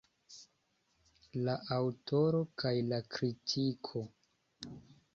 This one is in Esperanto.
La aŭtoro kaj la kritiko.